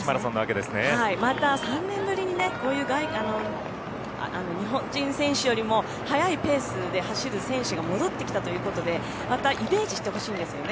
また３年ぶりに日本人選手よりも速いペースで走る選手が戻ってきたということでまたイメージしてほしいんですよね。